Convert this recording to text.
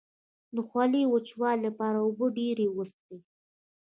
د خولې د وچوالي لپاره اوبه ډیرې وڅښئ